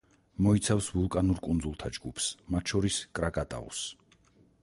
მოიცავს ვულკანურ კუნძულთა ჯგუფს, მათ შორის კრაკატაუს.